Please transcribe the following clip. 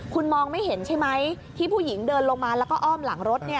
คุณมองไม่เห็นใช่ไหมที่ผู้หญิงเดินลงมาแล้วก็อ้อมหลังรถ